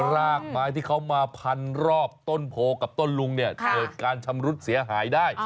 รากไม้ที่เขามาพันรอบต้นโพกับต้นลุงเนี่ยเกิดการชำรุดเสียหายได้